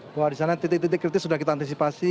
bahwa di sana titik titik kritis sudah kita antisipasi